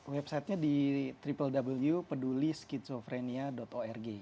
websitenya di www peduliskidsofrenia org